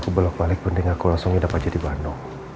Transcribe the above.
aku belok balik penting aku langsung hidup aja di bandung